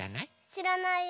しらないよ。